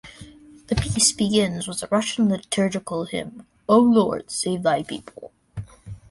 The piece begins with a Russian liturgical hymn, "O Lord, Save thy People".